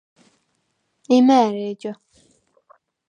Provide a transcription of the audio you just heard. იმ’ა̄̈რი ეჯა?